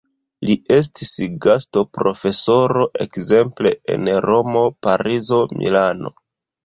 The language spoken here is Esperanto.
Li estis gastoprofesoro ekzemple en Romo, Parizo, Milano.